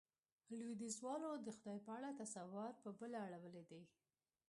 لوېديځوالو د خدای په اړه تصور، په بله اړولی دی.